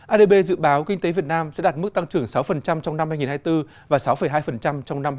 adb dự báo kinh tế việt nam sẽ đạt mức tăng trưởng sáu trong năm hai nghìn hai mươi bốn và sáu hai trong năm hai nghìn hai mươi bốn